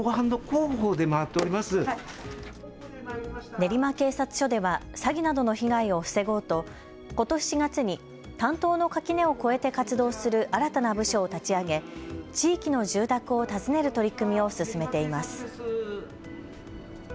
練馬警察署では詐欺などの被害を防ごうとことし４月に担当の垣根を越えて活動する新たな部署を立ち上げ地域の住宅を訪ねる取り組みを進めています。